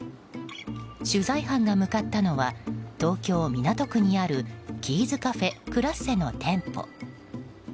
取材班が向かったのは東京・港区にあるキーズカフェクラッセの店舗。